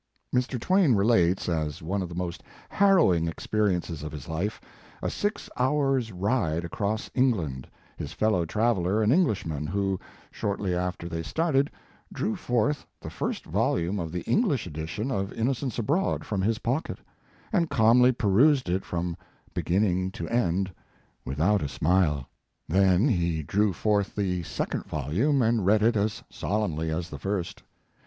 Mr. Clemens relates, as one of the most harrowing experiences of his life, a six hours ride across England, his fellow traveler an Englishman, who, shortly His Life and Work. 119 after they started, drew forth the nrst volume of the English edition of "Inno cents Abroad from his pocket, and calmly perused it from beginning to end without a smile. Then he drew forth the second volume and read it as solemnly as the first.